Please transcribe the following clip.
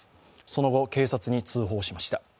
その後、警察に通報しました。